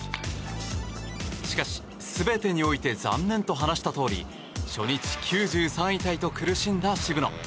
しかし、全てにおいて残念と話したとおり初日９３位タイと苦しんだ渋野。